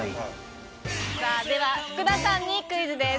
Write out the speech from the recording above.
では福田さんにクイズです。